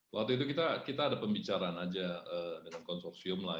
waktu itu kita ada pembicaraan aja dengan konsorsium lah